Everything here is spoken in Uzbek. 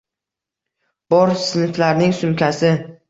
- Bor! -sinflarning sumkasi...